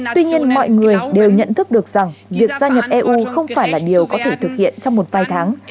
tuy nhiên mọi người đều nhận thức được rằng việc gia nhập eu không phải là điều có thể thực hiện trong một vài tháng